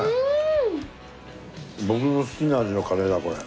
僕の好きな味のカレーだこれ。